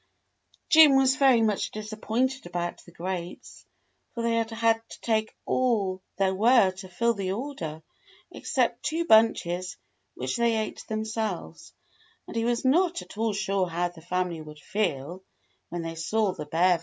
Jim was very much disappointed about the grapes, for they had had to take all there were to fill the order, except two bunches which they ate themselves, and he was not at all sure how the family would feel when they saw the bare vines.